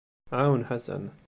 Ɛawen Ḥasan.